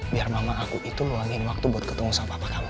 biar mama aku itu meluangin waktu buat ketemu sama papa kamu